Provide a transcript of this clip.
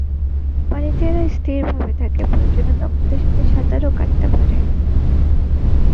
পানিতে এরা স্থিরভাবে থাকে, প্রয়োজনে দক্ষতার সাথে সাঁতারও কাটতে পারে।